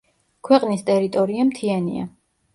ქვეყნის ტერიტორია მთიანია.